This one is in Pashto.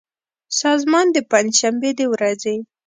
سازمان د پنجشنبې د ورځې